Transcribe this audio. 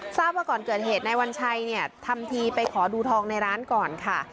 ทราบว่าก่อนเกิดเหตุนายวัญชัยเนี่ยทำทีไปขอดูทองในร้านก่อนค่ะ